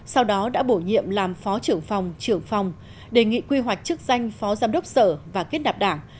sau đó đã bổ nhiệm làm phó trưởng phòng trưởng phòng đề nghị quy hoạch chức danh phó giám đốc sở và kết nạp đảng